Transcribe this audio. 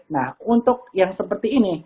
nah untuk yang seperti ini